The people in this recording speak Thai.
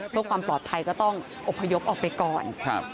เพื่อความปลอดภัยก็ต้องอบพยพออกไปก่อน